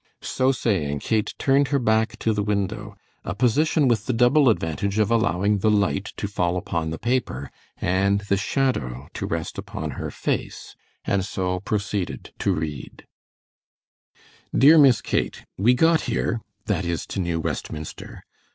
So saying Kate turned her back to the window, a position with the double advantage of allowing the light to fall upon the paper and the shadow to rest upon her face, and so proceeded to read: DEAR MISS KATE: We got here ("That is to New Westminster.")